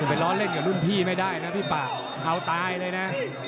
ไปล้อเล่นกับรุ่นพี่ไม่ได้นะพี่ป่าเอาตายเลยนะ